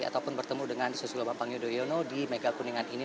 ataupun bertemu dengan suslo bambang endoino di megakuningan ini